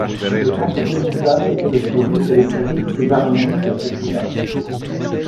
Le temple d'Eriza était le plus riche et le plus réputé d'Arménie d'après Plutarque.